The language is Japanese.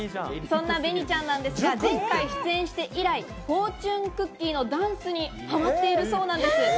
そんなべにちゃんですが、前回出演して以来、『フォーチュンクッキー』のダンスにハマっているそうです。